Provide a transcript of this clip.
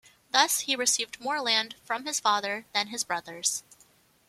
Thus, he received more land from his father than his brothers.